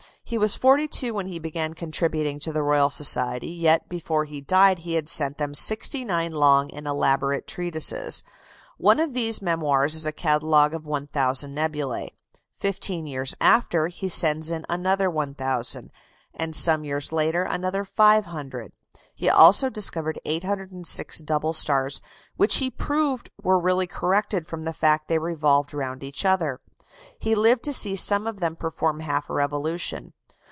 He was forty two when he began contributing to the Royal Society; yet before he died he had sent them sixty nine long and elaborate treatises. One of these memoirs is a catalogue of 1000 nebulæ. Fifteen years after he sends in another 1000; and some years later another 500. He also discovered 806 double stars, which he proved were really corrected from the fact that they revolved round each other (p. 309). He lived to see some of them perform half a revolution.